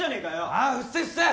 あぁ？うっせえうっせえ！